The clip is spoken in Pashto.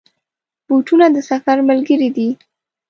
بوټونه د سفر ملګري دي.